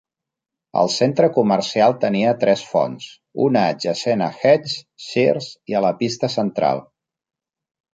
El centre comercial tenia tres fonts, una adjacent a Hecht's, Sears i a la pista central.